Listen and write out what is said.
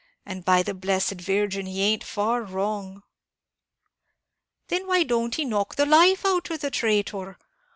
and by the blessed Virgin, he ain't far wrong." "Then why don't he knock the life out of the traitor?